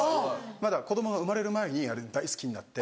まだ子供が生まれる前にあれ大好きになって。